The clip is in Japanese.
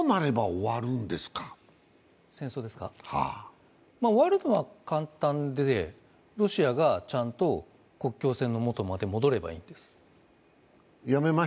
終わるのは簡単で、ロシアがちゃんと国境線のもとまで戻ればいいんです。